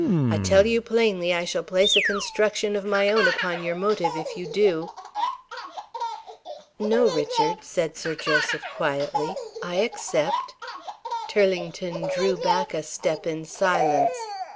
"I tell you plainly, I shall place a construction of my own upon your motive if you do." "No, Richard," said Sir Joseph, quietly, "I accept." Turlington drew back a step in silence.